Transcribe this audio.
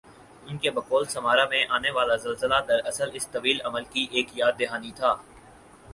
ان کی بقول سمارا میں آنی والازلزلہ دراصل اس طویل عمل کی ایک یاد دہانی تھا